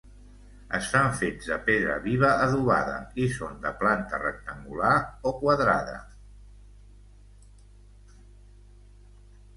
Estan fets de pedra viva adobada i són de planta rectangular o quadrada.